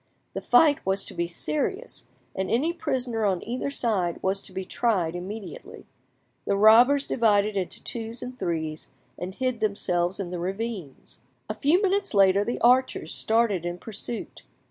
The fight was to be serious, and any prisoner on either side was to be tried immediately. The robbers divided into twos and threes, and hid themselves in the ravines. A few minutes later the archers started in pursuit.